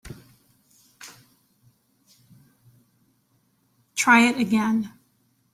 Try it again.